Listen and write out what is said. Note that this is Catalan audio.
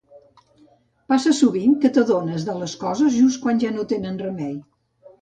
Passa sovint, que t'adones de les coses just quan ja no tenen remei.